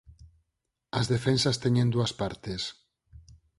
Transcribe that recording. As defensas teñen dúas partes.